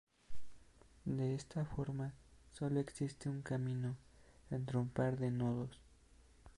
De esta forma solo existe un camino entre un par de nodos.